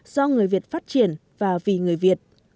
do người việt phát triển và vì người việt